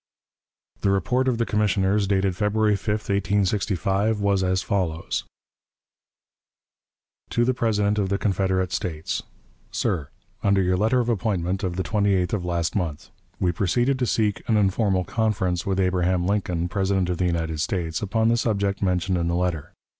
The report of the commissioners, dated February 5, 1865, was as follows: "To the President of the Confederate States: "SIR: Under your letter of appointment of the 28th ult. We proceeded to seek 'an informal conference' with Abraham Lincoln, President of the United States, upon the subject mentioned in the letter.